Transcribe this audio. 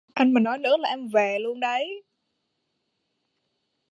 Anh mà nói nữa là em về luôn đấy